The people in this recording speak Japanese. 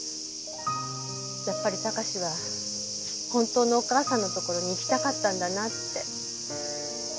やっぱり貴史は本当のお母さんのところに行きたかったんだなって。